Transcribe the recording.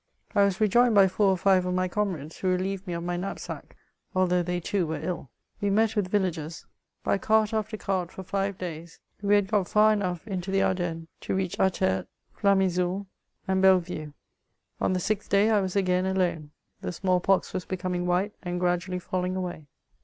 I was rejoined by four or five of my comrades, who relieved me of my knapsack ; although they, too, were ill. We met with villagers ; by cart after cart for €iYe days we had got hx enough into the Arden nes to reach Attert, Flamizoul, and Bellevue. On the sixth day I was again alone. The small pox was becoming white, and gradually falling away.